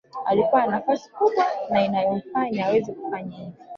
Alikuwa na nafasi kubwa na inayomfanya aweze kufanya hivyo